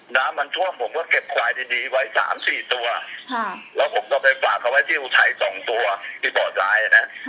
น้ำมันทั่วผมก็เก็บควายดีดีไว้สามสี่ตัวฮ่าแล้วผมก็ไปฝากเขาไว้ที่อุชัยสองตัวที่ต่อทรายน่ะฮ่า